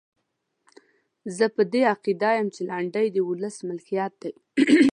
زه په دې عقیده یم چې لنډۍ د ولس ملکیت دی.